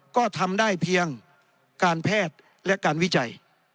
ก็ทำได้เพียงการแพทย์และการวิจัย